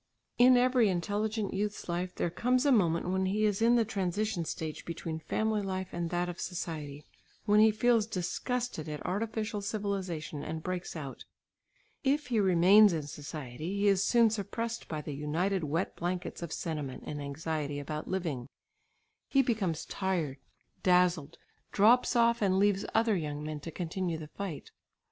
In every intelligent youth's life there comes a moment when he is in the transition stage between family life and that of society, when he feels disgusted at artificial civilisation and breaks out. If he remains in society, he is soon suppressed by the united wet blankets of sentiment and anxiety about living; he becomes tired, dazzled, drops off and leaves other young men to continue the fight.